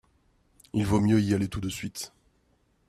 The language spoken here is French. Il vaut mieux y aller tout de suite.